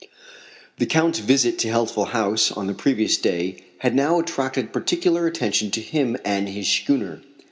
The Count's visit to Healthful House on the previous day had now attracted particular attention to him and his schooner.